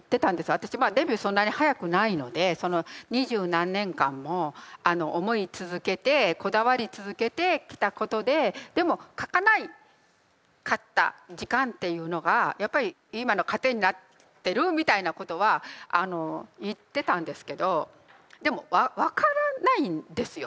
私デビューそんなに早くないのでその二十何年間も思い続けてこだわり続けてきたことででも書かなかった時間っていうのがやっぱり今の糧になってるみたいなことは言ってたんですけどでも分からないんですよ